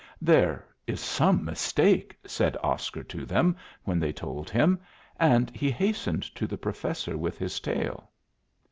"There is some mistake," said Oscar to them when they told him; and he hastened to the Professor with his tale.